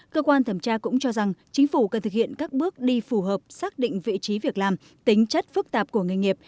cơ quan thẩm tra cũng cho rằng chính phủ cần thực hiện các bước đi phù hợp xác định vị trí việc làm tính chất phức tạp của nghề nghiệp